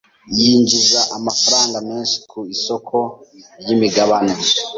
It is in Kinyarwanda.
Yinjiza amafaranga menshi ku isoko ryimigabane.